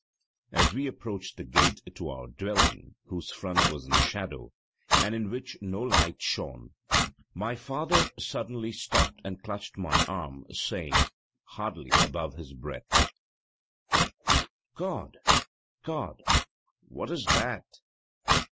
As we approached the gate to our dwelling, whose front was in shadow, and in which no light shone, my father suddenly stopped and clutched my arm, saying, hardly above his breath: 'God! God! what is that?'